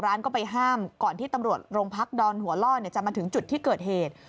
ร้านก็ไปห้ามก่อนที่ตำรวจโรงพักดอนหัวล่อจะมาถึงจุดที่เกิดเหตุ